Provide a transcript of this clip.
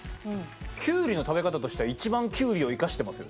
キュウリの食べ方としては一番キュウリを生かしてますよね。